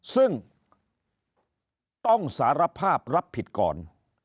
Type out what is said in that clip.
ซึ่งต้องสารภาพรับผิดก่อน